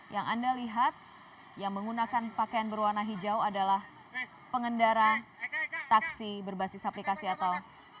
yang anda lihat yang menggunakan pakaian berwarna hijau adalah pengendara taksi berbasis aplikasi atau